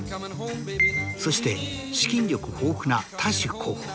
そして資金力豊富なタシュ候補。